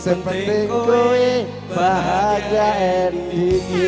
seperti kau bahagia dan tinggi